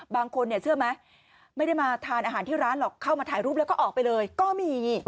บางคนเนี่ยเชื่อไหมไม่ได้มาทานอาหารที่ร้านหรอกเข้ามาถ่ายรูปแล้วก็ออกไปเลยก็มี